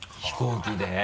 飛行機で？